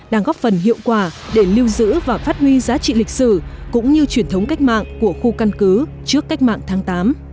đang góp phần hiệu quả để lưu giữ và phát huy giá trị lịch sử cũng như truyền thống cách mạng của khu căn cứ trước cách mạng tháng tám